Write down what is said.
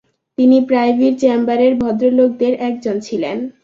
তিনি প্রাইভির চেম্বারের ভদ্রলোকদের একজন ছিলেন।